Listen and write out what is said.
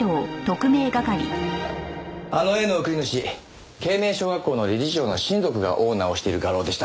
あの絵の送り主慶明小学校の理事長の親族がオーナーをしている画廊でした。